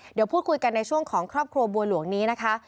เดี๋ยวพูดคุยกันในช่วงของครอบครัวบัวหลวงนี้นะคะ